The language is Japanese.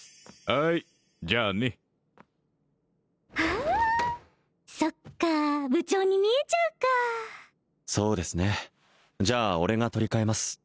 ・はーいじゃあねそっか部長に見えちゃうかそうですねじゃあ俺が取り替えます